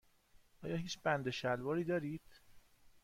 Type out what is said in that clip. آیا هیچ بند شلواری دارید؟